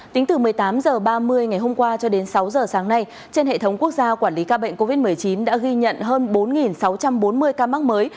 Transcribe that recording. tính từ một mươi tám h ba mươi ngày hôm qua cho đến sáu h sáng nay trên hệ thống quốc gia quản lý ca bệnh covid một mươi chín đã ghi nhận hơn bốn sáu trăm bốn mươi ca mắc mới